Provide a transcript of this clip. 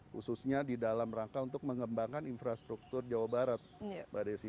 khususnya di dalam rangka untuk mengembangkan infrastruktur jawa barat mbak desi